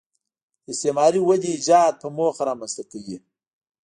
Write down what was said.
د استثماري ودې ایجاد په موخه رامنځته کوي